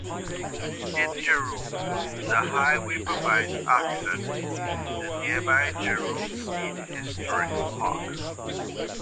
In Jerome, the highway provides access to the nearby Jerome State Historic Park.